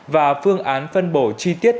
và phương án phân bổ chi tiết